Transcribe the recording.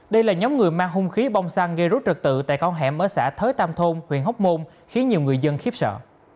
đây là nhóm người mang hung khí bong xăng gây rút trật tự tại con hẻm ở xã thới tam thôn huyện hóc môn khiến nhiều người dân khiếp sợ